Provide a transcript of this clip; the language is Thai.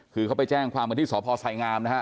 คือเขาไปแจ้งความว่าที่สพใส่งาม